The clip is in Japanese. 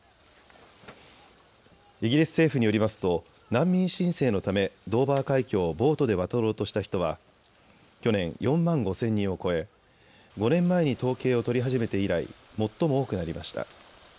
イギリス政府によりますと難民申請のためドーバー海峡をボートで渡ろうとした人は去年、４万５０００人を超え５年前に統計を取り始めて以来、最も多くなりました。